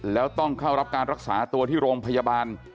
แล้วต้องเข้ารับการรักษาตัวที่โรงพยาบาล